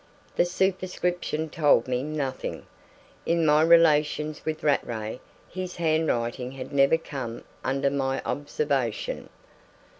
The superscription told me nothing. In my relations with Rattray his handwriting had never come under my observation.